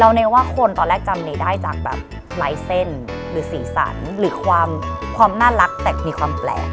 ในว่าคนตอนแรกจำเนได้จากแบบลายเส้นหรือสีสันหรือความน่ารักแต่มีความแปลก